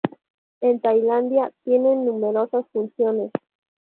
En Tailandia tienen numerosas funciones.